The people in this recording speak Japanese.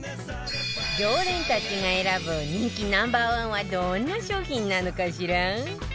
常連たちが選ぶ人気 Ｎｏ．１ はどんな商品なのかしら？